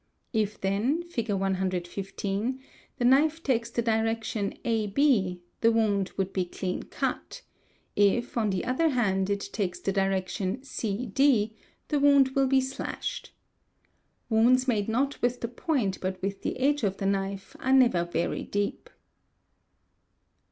If then, Fig. 116, | knife takes the direction a b the woun¢ would be clean cut; if on the other han it takes the direction ¢ d the wound wil be slashed. Wounds made not with tl point but with the edge of the knife at never very deep.